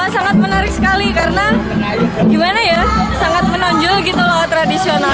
sangat menarik sekali karena sangat menonjol gitu loh tradisional